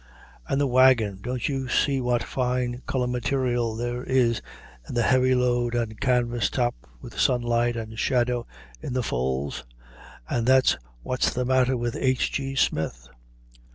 And the wagon! Don't you see what fine color material there is in the heavy load and canvas top with sunlight and shadow in the folds? And that's what's the matter with H. G. Smith.